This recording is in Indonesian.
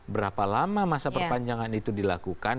berapa lama masa perpanjangan itu dilakukan